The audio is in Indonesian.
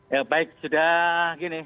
ya baik sudah gini